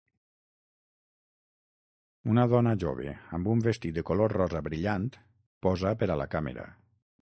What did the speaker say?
Una dona jove amb un vestit de color rosa brillant posa per a la càmera.